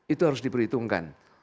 itu harus diperhitungkan